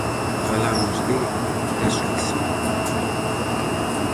Falamos de Da Suisa.